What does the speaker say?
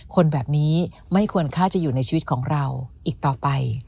คนแบบนี้ไม่ควรค่าจะอยู่ในชีวิตของเราอีกต่อไป